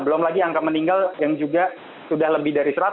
belum lagi angka meninggal yang juga sudah lebih dari seratus